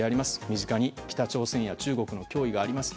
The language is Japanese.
身近に北朝鮮や中国の脅威があります。